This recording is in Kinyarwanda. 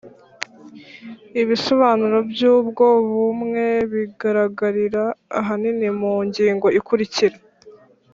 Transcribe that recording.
Ibisobanuro by'ubwo bumwe biragaragarira ahanini mu ngingo ikurikira.